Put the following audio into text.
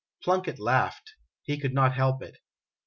Plunkett laughed ; he could not help it.